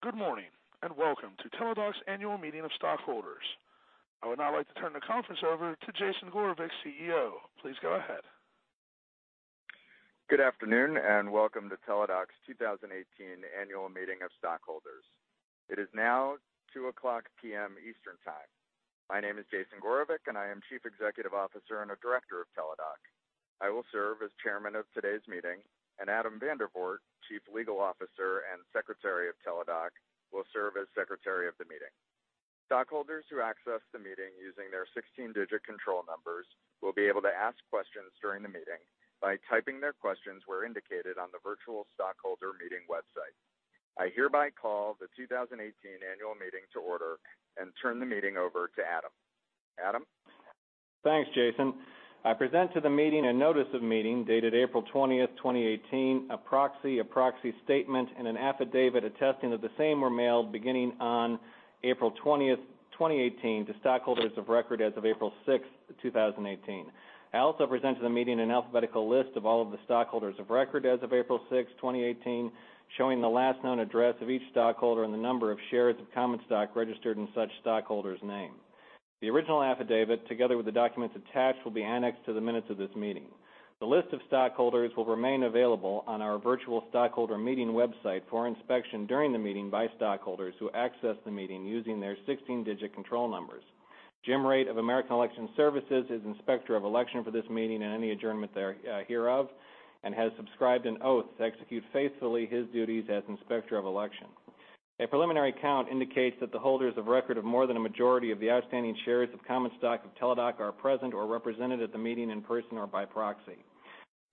Good morning, welcome to Teladoc's annual meeting of stockholders. I would now like to turn the conference over to Jason Gorevic, CEO. Please go ahead. Good afternoon, welcome to Teladoc's 2018 annual meeting of stockholders. It is now 2:00 P.M. Eastern Time. My name is Jason Gorevic, and I am Chief Executive Officer and a director of Teladoc. I will serve as chairman of today's meeting, and Adam Vandervoort, Chief Legal Officer and Secretary of Teladoc, will serve as secretary of the meeting. Stockholders who access the meeting using their 16-digit control numbers will be able to ask questions during the meeting by typing their questions where indicated on the virtual stockholder meeting website. I hereby call the 2018 annual meeting to order and turn the meeting over to Adam. Adam? Thanks, Jason. I present to the meeting a notice of meeting dated April 20th, 2018, a proxy, a proxy statement, and an affidavit attesting that the same were mailed beginning on April 20th, 2018, to stockholders of record as of April 6th, 2018. I also present to the meeting an alphabetical list of all of the stockholders of record as of April 6th, 2018, showing the last known address of each stockholder and the number of shares of common stock registered in such stockholder's name. The original affidavit, together with the documents attached, will be annexed to the minutes of this meeting. The list of stockholders will remain available on our virtual stockholder meeting website for inspection during the meeting by stockholders who access the meeting using their 16-digit control numbers. Jim Raitt of American Election Services is Inspector of Election for this meeting and any adjournment thereof and has subscribed an oath to execute faithfully his duties as Inspector of Election. A preliminary count indicates that the holders of record of more than a majority of the outstanding shares of common stock of Teladoc are present or represented at the meeting in person or by proxy.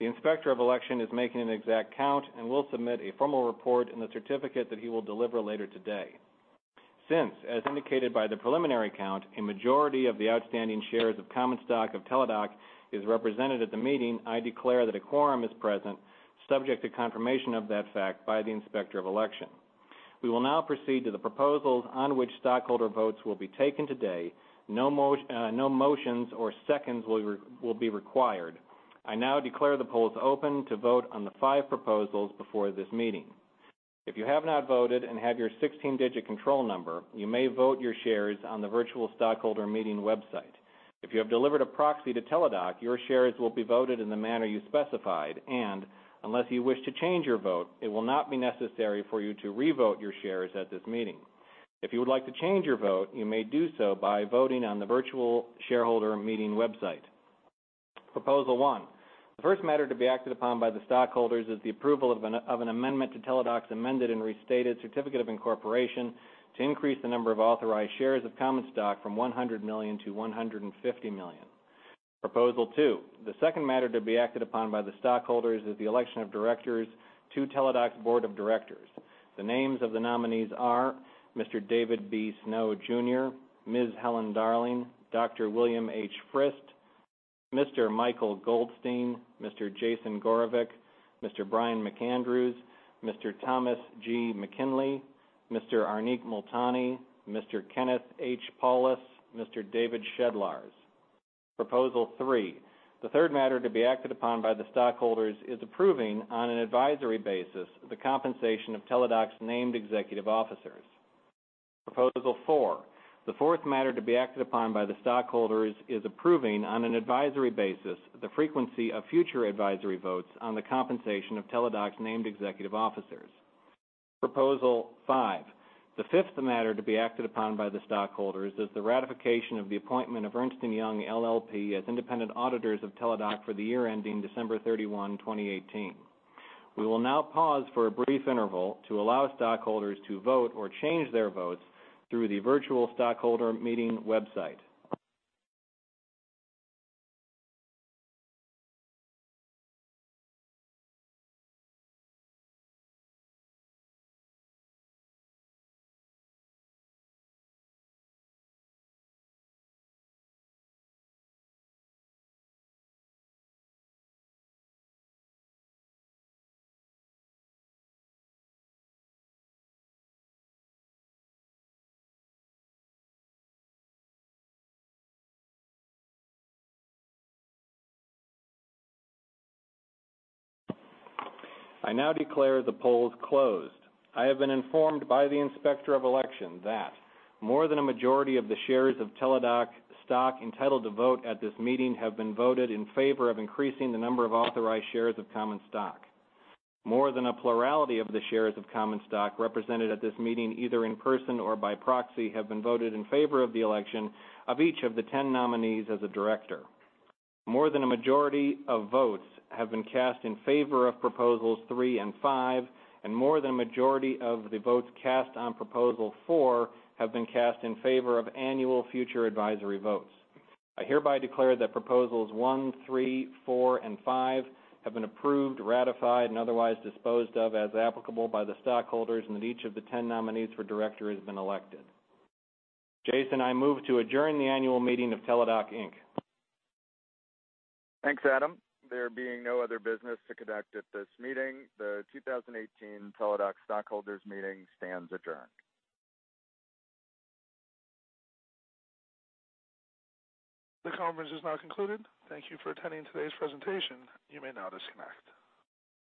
The Inspector of Election is making an exact count and will submit a formal report in the certificate that he will deliver later today. Since, as indicated by the preliminary count, a majority of the outstanding shares of common stock of Teladoc is represented at the meeting, I declare that a quorum is present, subject to confirmation of that fact by the Inspector of Election. We will now proceed to the proposals on which stockholder votes will be taken today. No motions or seconds will be required. I now declare the polls open to vote on the five proposals before this meeting. If you have not voted and have your 16-digit control number, you may vote your shares on the virtual stockholder meeting website. If you have delivered a proxy to Teladoc, your shares will be voted in the manner you specified, and unless you wish to change your vote, it will not be necessary for you to revote your shares at this meeting. If you would like to change your vote, you may do so by voting on the virtual shareholder meeting website. Proposal 1. The first matter to be acted upon by the stockholders is the approval of an amendment to Teladoc's amended and restated certificate of incorporation to increase the number of authorized shares of common stock from 100 million to 150 million. Proposal 2. The second matter to be acted upon by the stockholders is the election of directors to Teladoc's board of directors. The names of the nominees are Mr. David B. Snow Jr., Ms. Helen Darling, Dr. William H. Frist, Mr. Michael Goldstein, Mr. Jason Gorevic, Mr. Brian McAndrews, Mr. Thomas G. McKinley, Mr. Arneek Multani, Mr. Kenneth H. Paulus, Mr. David Shedlarz. Proposal 3. The third matter to be acted upon by the stockholders is approving, on an advisory basis, the compensation of Teladoc's named executive officers. Proposal 4. The fourth matter to be acted upon by the stockholders is approving, on an advisory basis, the frequency of future advisory votes on the compensation of Teladoc's named executive officers. Proposal 5. The fifth matter to be acted upon by the stockholders is the ratification of the appointment of Ernst & Young LLP as independent auditors of Teladoc for the year ending December 31, 2018. We will now pause for a brief interval to allow stockholders to vote or change their votes through the virtual stockholder meeting website. I now declare the polls closed. I have been informed by the Inspector of Election that more than a majority of the shares of Teladoc stock entitled to vote at this meeting have been voted in favor of increasing the number of authorized shares of common stock. More than a plurality of the shares of common stock represented at this meeting, either in person or by proxy, have been voted in favor of the election of each of the 10 nominees as a director. More than a majority of votes have been cast in favor of proposals 3 and 5, and more than a majority of the votes cast on proposal 4 have been cast in favor of annual future advisory votes. I hereby declare that proposals 1, 3, 4, and 5 have been approved, ratified, and otherwise disposed of as applicable by the stockholders and that each of the 10 nominees for director has been elected. Jason, I move to adjourn the annual meeting of Teladoc Inc. Thanks, Adam. There being no other business to conduct at this meeting, the 2018 Teladoc stockholders meeting stands adjourned. The conference is now concluded. Thank you for attending today's presentation. You may now disconnect.